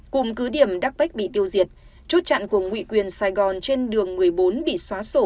cùng cứ điểm đắc bách bị tiêu diệt trút chặn của ngụy quyền sài gòn trên đường một mươi bốn bị xóa sổ